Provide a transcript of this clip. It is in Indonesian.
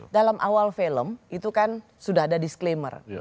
dalam awal film itu kan sudah ada disclaimer